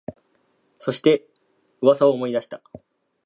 そして、噂を思い出した